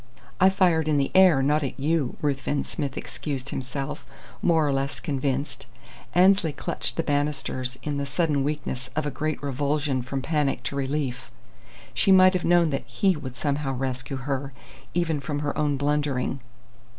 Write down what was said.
"I fired in the air, not at you," Ruthven Smith excused himself, more or less convinced. Annesley clutched the banisters in the sudden weakness of a great revulsion from panic to relief. She might have known that he would somehow rescue her, even from her own blundering.